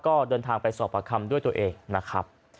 ก็เดินทางไปสอบประคำด้วยตัวเองนะครับ